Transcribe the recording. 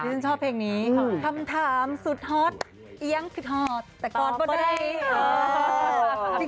ดิฉันชอบเพลงนี้คำถามสุดฮอตยังคือฮอตแต่กอดประดับนี้